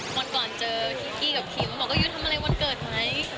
วันขวานเจอคิ้กิกับครีมว่าหรือทำอะไรวันเกิดไหม